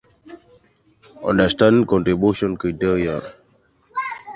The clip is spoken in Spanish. Además cuenta en su municipio con otras importantes vías de comunicaciones nacionales e interprovinciales.